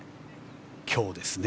今日ですね。